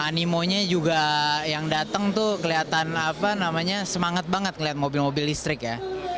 animonya juga yang datang tuh kelihatan apa namanya semangat banget ngeliat mobil mobil listrik ya